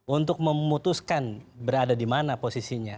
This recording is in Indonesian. untuk memutuskan berada di mana posisinya